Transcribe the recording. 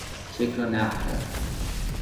چک را نقد کردن